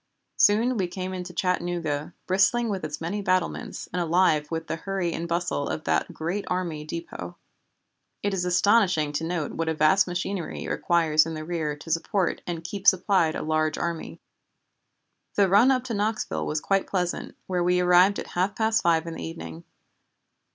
Soon we came into Chattanooga, bristling with its many battlements, and alive with the hurry and bustle of that great army dépôt. It is astonishing to note what a vast machinery it requires in the rear to support and keep supplied a large army. "The run up to Knoxville was quite pleasant, where we arrived at half past five in the evening.